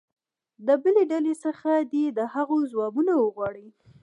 د بلې ډلې څخه دې د هغو ځوابونه وغواړي.